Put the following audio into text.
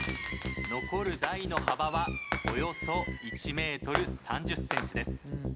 残る台の幅はおよそ１ｍ３０ｃｍです。